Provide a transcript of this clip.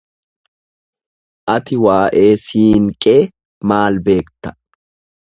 Ati waa'ee Siinqee maal beekta?